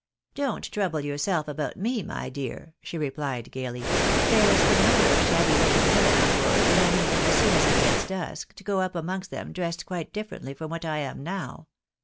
"Don't trouble yourself about me, my dear," she replied, gaily. " There's a number of shabby looking women on board, and I mean, as soon as it gets dusk, to go up amongst them dressed quite differently from what I am now.